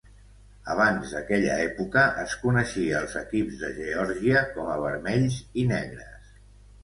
Abans d'aquella època, es coneixia als equips de Geòrgia com a vermells i negres.